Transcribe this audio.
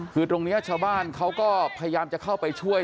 คือตรงนี้ชาวบ้านเขาก็พยายามจะเข้าไปช่วย